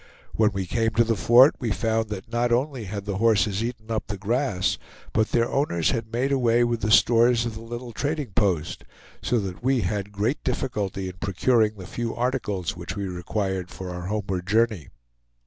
When we came to the fort, we found that not only had the horses eaten up the grass, but their owners had made away with the stores of the little trading post; so that we had great difficulty in procuring the few articles which we required for our homeward journey.